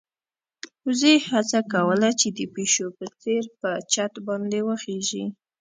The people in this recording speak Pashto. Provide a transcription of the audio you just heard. وزې هڅه کوله چې د پيشو په څېر په چت باندې وخېژي.